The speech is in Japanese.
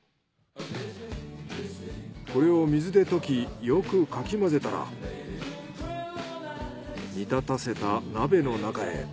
これを水で溶きよくかき混ぜたら煮立たせた鍋の中へ。